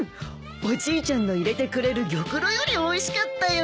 おじいちゃんの入れてくれる玉露よりおいしかったよ。